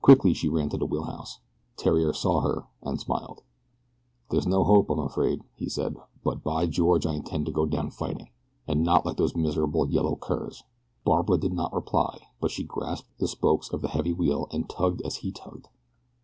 Quickly she ran to the wheelhouse. Theriere saw her and smiled. "There's no hope, I'm afraid," he said; "but, by George, I intend to go down fighting, and not like those miserable yellow curs." Barbara did not reply, but she grasped the spokes of the heavy wheel and tugged as he tugged.